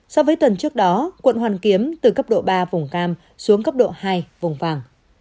so với tuần trước đó quận hoàn kiếm từ cấp độ ba vùng cam xuống cấp độ hai vùng vàng